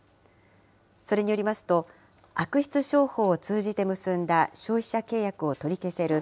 それによりますと、悪質商法を通じて結んだ消費者契約を取り消せる